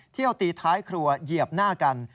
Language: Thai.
เที่ยวตีท้ายครัวเหยียบหน้ากัน